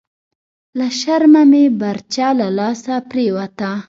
لهٔ شرمه مې برچه لهٔ لاسه پریوته… »